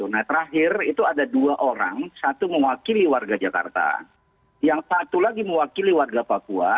nah terakhir itu ada dua orang satu mewakili warga jakarta yang satu lagi mewakili warga papua